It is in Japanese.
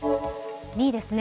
２位ですね。